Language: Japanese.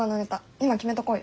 今決めとこうよ。